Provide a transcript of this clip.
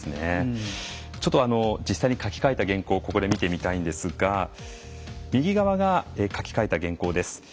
実際に書きかえた原稿をここで見てみたいんですが右側が、書きかえた原稿です。